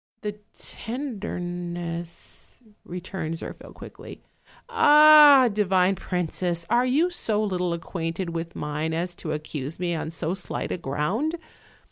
"The tenderness," returned Zirphil quickly; "ah, di vine princess, are you so little acquainted with mine as to accuse me on so slight a ground?